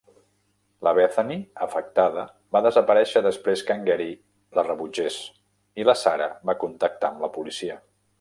La Bethany, afectada, va desaparèixer després que en Gary la rebutgés i la Sarah va contactar amb la policia.